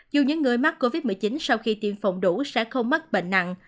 dù những người mắc covid một mươi chín sau khi tiêm phòng đủ sẽ không mắc bệnh nặng